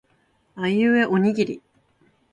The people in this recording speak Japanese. あいうえおにぎり